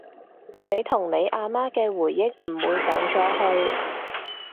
你同你阿媽嘅回憶唔會走咗去